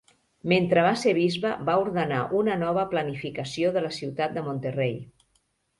Mentre va ser bisbe va ordenar una nova planificació de la ciutat de Monterrey.